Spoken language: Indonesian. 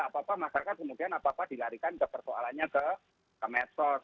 apa apa masyarakat kemudian apa apa dilarikan ke persoalannya ke medsos